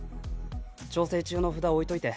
調整中の札置いといて。